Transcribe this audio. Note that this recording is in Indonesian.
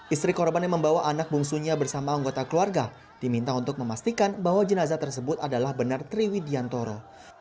istri korban yang membawa anak bungsunya bersama anggota keluarga diminta untuk memastikan bahwa jenazah tersebut adalah benar triwidiantoro